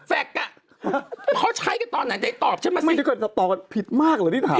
แฟคก็เขาใช้กันตอนไหนตอบฉันมาสิไม่ดูกันตอบผิดมากเหรอที่ถาม